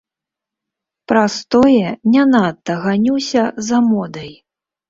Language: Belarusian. Праз тое не надта ганюся за модай.